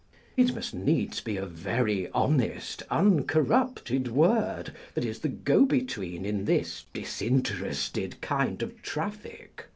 It must needs be a very honest un corrupted word that is the go between in this disinterested kind of traffic.